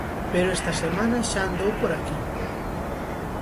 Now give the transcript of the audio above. Pero esta semana xa andou por aquí.